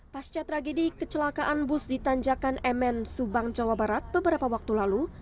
pasca tragedi kecelakaan bus di tanjakan mn subang jawa barat beberapa waktu lalu